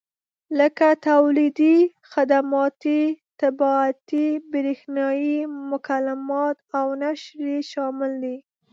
لکه تولیدي، خدماتي، طباعتي، برېښنایي مکالمات او نشر یې شامل دي.